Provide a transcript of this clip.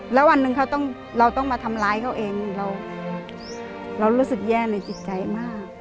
แล้ววันหนึ่งเขาต้องเราต้องมาทำร้ายเขาเองเรารู้สึกแย่ในจิตใจมาก